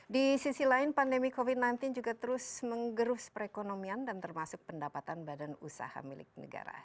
di sisi lain pandemi covid sembilan belas juga terus menggerus perekonomian dan termasuk pendapatan badan usaha milik negara